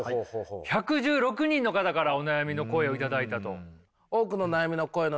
１１６人の方からお悩みの声を頂いたと。